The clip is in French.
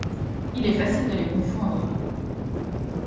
Il est facile de les confondre.